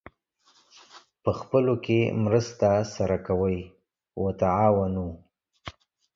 پخپلو کې مرسته سره کوئ : وتعاونوا